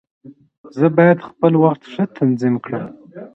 زه بايد خپل وخت ښه تنظيم کړم.